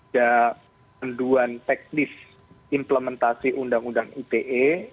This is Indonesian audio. ada panduan teknis implementasi undang undang ite